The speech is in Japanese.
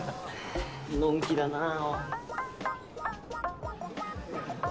のんきだなぁ。